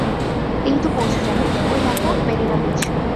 এইতো পৌছে যাবো, ঐদেখো, মেরিনা বিচ।